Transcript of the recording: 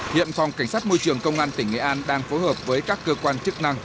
hiện phòng cảnh sát môi trường công an tỉnh nghệ an đang phối hợp với các cơ quan chức năng